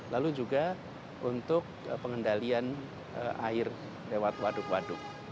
lalu juga untuk pengendalian air lewat waduk waduk